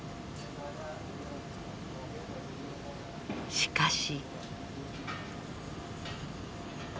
しかし。